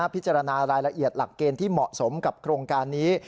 พิจารณารายละเอียดหลักเกณฑ์ที่เหมาะสมกับโครงการนี้